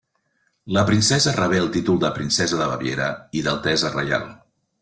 La princesa rebé el títol de princesa de Baviera i d'altesa reial.